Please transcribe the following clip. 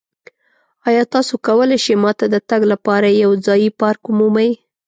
ایا تاسو کولی شئ ما ته د تګ لپاره یو ځایی پارک ومومئ؟